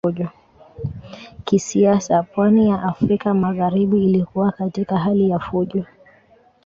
Kisiasa pwani ya Afrika Magharibi ilikuwa katika hali ya fujo